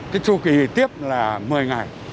cái chu kỳ thì tiếp là một mươi ngày